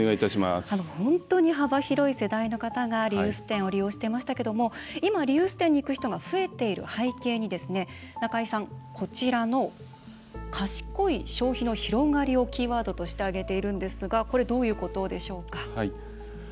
本当に幅広い世代の方がリユース店を利用していましたけども今、リユース店に行く人が増えている背景に中井さん、こちらの「賢い消費の広がり」をキーワードとして挙げているんですけどもこれ、どういうことでしょうか？